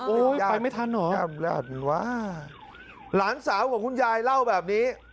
โอ้ยไปไม่ทันเหรอหลังสาวของคุณยายเล่าแบบนี้